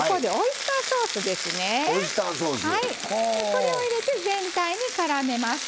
これを入れて全体にからめます。